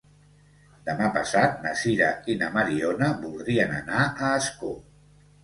Demà passat na Sira i na Mariona voldrien anar a Ascó.